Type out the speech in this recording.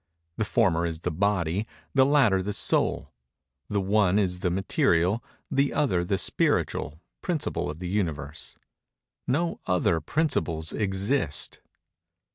The former is the body; the latter the soul: the one is the material; the other the spiritual, principle of the Universe. _No other principles exist.